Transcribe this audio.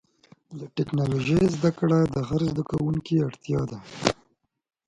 د ټکنالوجۍ زدهکړه د هر زدهکوونکي اړتیا ده.